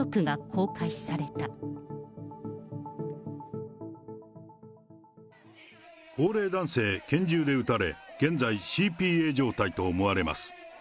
高齢男性、拳銃で撃たれ、現在、ＣＰＡ状態と思われます。